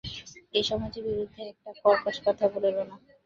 এই সমাজের বিরুদ্ধে একটা কর্কশ কথা বলিও না।